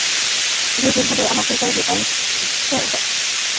যে যে-ভাবে আমাকে পাইতে চায়, সেই ভাবেই আমি তাহার কাছে যাই।